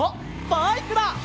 バイクだ！